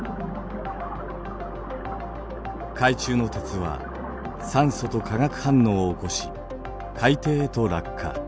海中の鉄は酸素と化学反応を起こし海底へと落下。